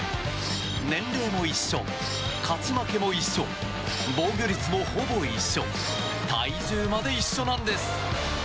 年齢も一緒、勝ち負けも一緒防御率もほぼ一緒体重まで一緒なんです。